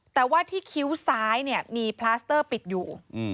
แต่ว่าที่คิ้วซ้ายเนี่ยมีพลาสเตอร์ปิดอยู่